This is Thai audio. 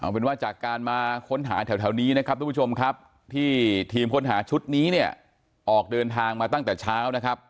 เป็นว่าจากการมาค้นหาแถวนี้นะครับทุกผู้ชมครับที่ทีมค้นหาชุดนี้เนี่ยออกเดินทางมาตั้งแต่เช้านะครับ